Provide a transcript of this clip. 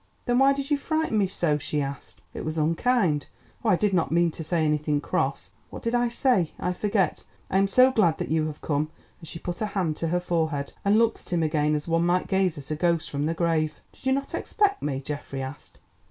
"Then why did you frighten me so?" she asked. "It was unkind—oh, I did not mean to say anything cross. What did I say? I forget. I am so glad that you have come!" and she put her hand to her forehead and looked at him again as one might gaze at a ghost from the grave. "Did you not expect me?" Geoffrey asked.